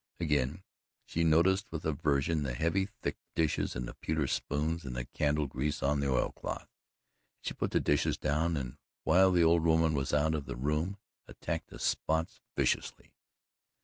Again she noticed with aversion the heavy thick dishes and the pewter spoons and the candle grease on the oil cloth, and she put the dishes down and, while the old woman was out of the room, attacked the spots viciously.